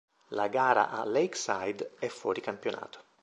La gara a Lakeside è fuori campionato.